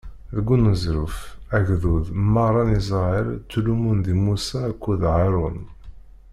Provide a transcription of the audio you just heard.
Deg uneẓruf, agdud meṛṛa n Isṛayil ttlummun di Musa akked Haṛun.